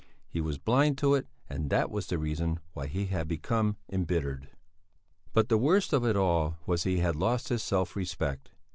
He was blind to it and that was the reason why he had become embittered. But the worst of it all was he had lost his self respect.